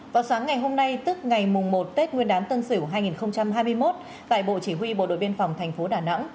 vào sáng ngày hôm nay tức ngày mùng một tết nguyên đán tân sửu hai nghìn hai mươi một tại bộ chỉ huy bộ đội biên phòng tp đà nẵng